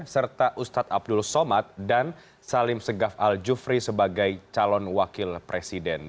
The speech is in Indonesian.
serta ustadz abdul somad dan salim segaf al jufri sebagai calon wakil presiden